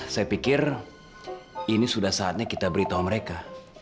saya pikir ini sudah saatnya kita beritahu mereka